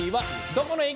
どこの駅？